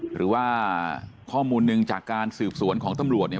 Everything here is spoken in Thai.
หรือว่าข้อมูลหนึ่งจากการสืบสวนของตำรวจเนี่ย